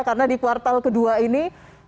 karena di kuartal ke dua ini